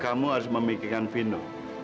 kamu harus memikirkan vino